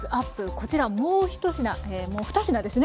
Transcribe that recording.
こちらもう１品もう２品ですね。